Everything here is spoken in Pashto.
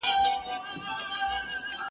چي کله به کړي بنده کورونا په کرنتین کي-